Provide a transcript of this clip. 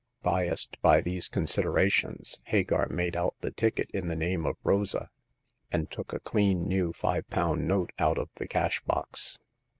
Biassed by these considera tions, Hagar made out the ticket in the name of Rosa, and took a clean new five pound note out of the cash box.